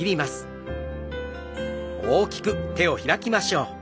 大きく開きましょう。